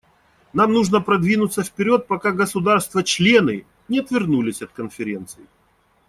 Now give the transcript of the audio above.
Нам нужно продвинуться вперед, пока государства-члены не отвернулись от Конференции.